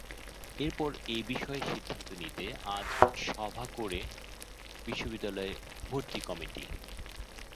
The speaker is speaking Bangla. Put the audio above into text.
এরপর এ বিষয়ে সিদ্ধান্ত নিতে আজ সভা করে বিশ্ববিদ্যালয় ভর্তি কমিটি।